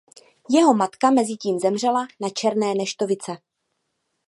Jeho matka mezitím zemřela na černé neštovice.